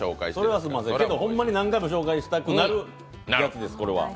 それはすんませんけど、ほんまに何回も紹介したくなるやつです。